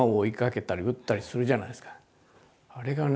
あれがね